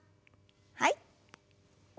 はい。